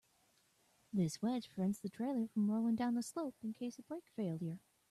This wedge prevents the trailer from rolling down the slope in case of brake failure.